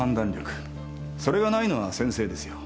それがないのは先生ですよ。